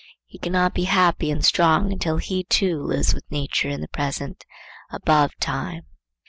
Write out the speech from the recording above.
He cannot be happy and strong until he too lives with nature in the present, above time.